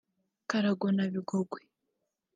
Karago na Bigogwe